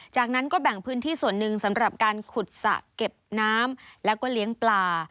จากนั้นก็แบ่งพื้นที่ส่วนหนึ่งสำหรับการขุดสระเก็บน้ำแล้วก็เลี้ยงปลา